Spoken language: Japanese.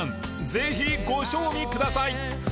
ぜひご賞味ください